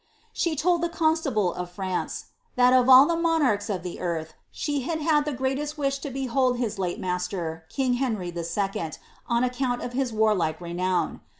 She told the constable of France, '* that of all the monarchs of the Mrtfa, she had had the greatest wish lo behold his late master, king Henry 11^ on account of his warlike renown.